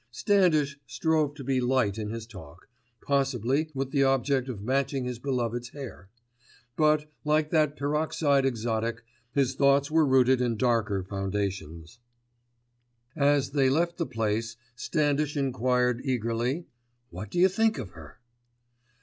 Standish strove to be light in his talk, possibly with the object of matching his beloved's hair; but, like that peroxide exotic, his thoughts were rooted in darker foundations. As they left the place Standish enquired eagerly— "What do you think of her?"